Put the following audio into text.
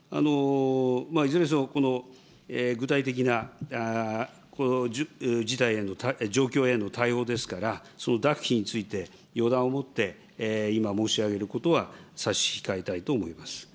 いずれにせよ、具体的な事態への、状況への対応ですから、その諾否について、予断を持って今、申し上げることは差し控えたいと思います。